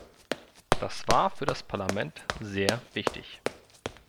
Das war für das Parlament sehr wichtig.